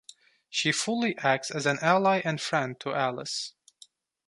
She fully acts as an ally and friend to Alice.